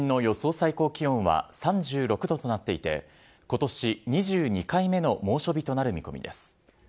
最高気温は３６度となっていて、ことし２２回目の猛暑日となる見込みです。